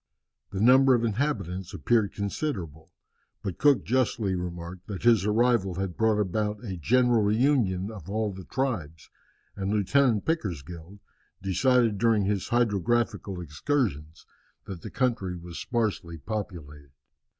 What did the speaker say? The number of inhabitants appeared considerable. But Cook justly remarked that his arrival had brought about a general reunion of all the tribes, and Lieutenant Pickersgill decided during his hydrographical excursions that the country was sparsely populated.